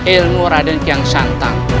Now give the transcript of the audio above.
ilmu raden kian santang